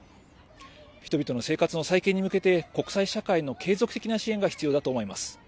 人々の生活の再建に向けて国際社会の継続的な支援が必要だと思います。